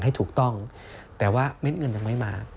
ให้ถูกต้องแต่ว่าเม็ดเงินยังไม่มา